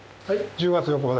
１０月４日私